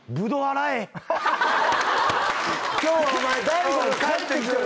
「今日は大悟が帰ってきてる。